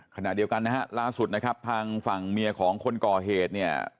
คณะเดียวกันล่าสุดผ่างเมียสมุขคนก่อเหตุ